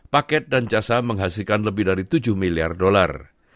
paket dan jasa menghasilkan lebih dari tujuh miliar dolar